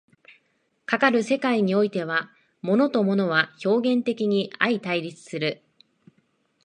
かかる世界においては、物と物は表現的に相対立する。